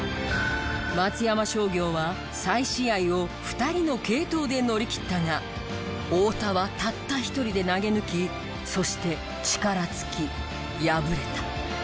松山商業は再試合を２人の継投で乗り切ったが太田はたった一人で投げ抜きそして力尽き敗れた。